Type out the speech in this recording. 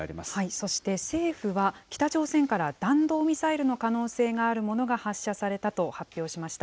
そして政府は、北朝鮮から弾道ミサイルの可能性があるものが発射されたと発表しました。